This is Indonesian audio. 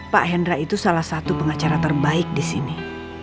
pak hendra itu salah satu pengacara terbaik disini